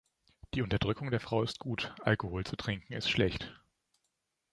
Die Unterdrückung der Frau ist gut, Alkohol zu trinken, ist schlecht.